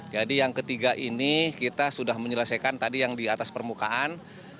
jadi yang ketiga ini kita sudah menyelesaikan tadi yang di atas permukaan